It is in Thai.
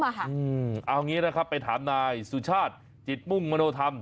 เอางี้นะครับไปถามนายสุชาติจิตมุ่งมโนธรรม